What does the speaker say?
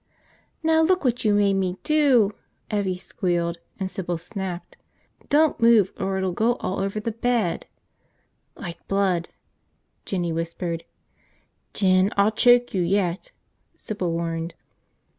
"Now look what you made me do!" Evvie squealed, and Sybil snapped, "It was your own fault! Don't move or it'll go all over the bed." "Like blood," Jinny whispered. "Jin, I'll choke you yet!" Sybil warned.